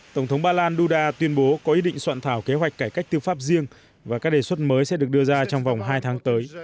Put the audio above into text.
tổng thống ba lan duda tuyên bố có ý định soạn thảo kế hoạch cải cách tư pháp riêng và các đề xuất mới sẽ được đưa ra trong vòng hai tháng tới